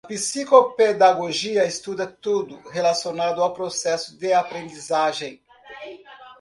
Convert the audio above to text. A psicopedagogia estuda tudo relacionado ao processo de aprendizagem.